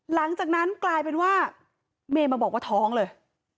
หลังจากนั้นกลายเป็นว่าเมย์มาบอกว่าท้องเลย